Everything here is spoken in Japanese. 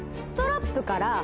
ストラップから。